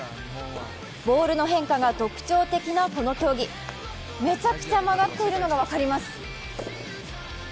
ボールの変化が特徴的なこの競技めちゃくちゃ曲がっているのが分かります。